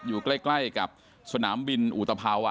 อยู่ใกล้กับสนามบินอุตภาว